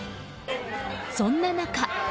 そんな中。